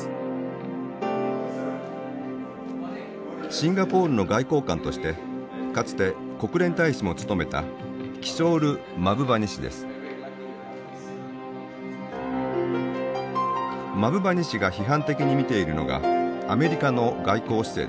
シンガポールの外交官としてかつて国連大使も務めたマブバニ氏が批判的に見ているのがアメリカの外交姿勢です。